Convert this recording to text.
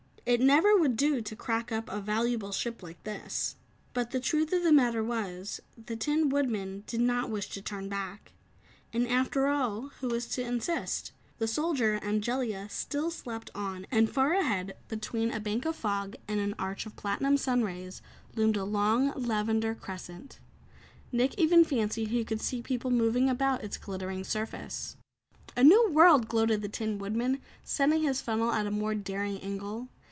"It never would do to crack up a valuable ship like this." But the truth of the matter was, the Tin Woodman did not wish to turn back. And after all who was to insist? The Soldier and Jellia still slept on, and far ahead, between a bank of fog and an arch of platinum sun rays, loomed a long, lavender crescent. Nick even fancied he could see people moving about its glittering surface. "A new world!" gloated the Tin Woodman, setting his funnel at a more daring angle.